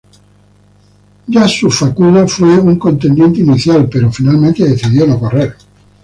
Yasuo Fukuda fue un contendiente inicial, pero finalmente decidió no correr.